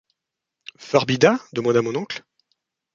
Förbida ? demanda mon oncle.